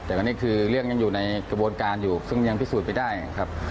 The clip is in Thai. แต่วันนี้คือเรื่องยังอยู่ในกระบวนการอยู่ซึ่งยังพิสูจน์ไม่ได้ครับ